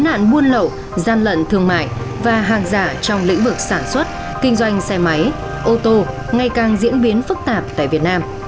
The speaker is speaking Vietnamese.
nạn buôn lậu gian lận thương mại và hàng giả trong lĩnh vực sản xuất kinh doanh xe máy ô tô ngày càng diễn biến phức tạp tại việt nam